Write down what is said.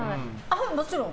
もちろん。